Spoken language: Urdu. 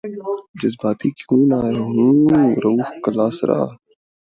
جذباتی کیوں نہ ہوں رؤف کلاسرا